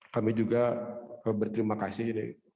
kami juga berterima kasih